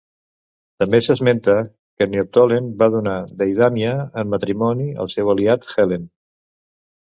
També s'esmenta que Neoptòlem va donar Deidamia en matrimoni al seu aliat Helen.